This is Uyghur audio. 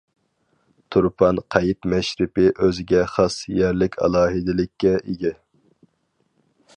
تۇرپان قەيت مەشرىپى ئۆزىگە خاس يەرلىك ئالاھىدىلىككە ئىگە.